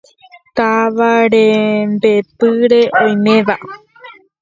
Táva rembe'ýre oiméva.